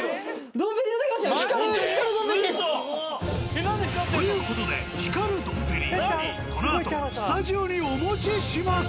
ドンペリ頂きましたよ。という事で光るドンペリこのあとスタジオにお持ちします。